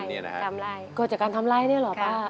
เกิดจากการทำไล่เนี่ยหรอป้า